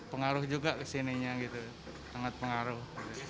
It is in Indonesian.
pengaruh juga kesininya gitu sangat pengaruh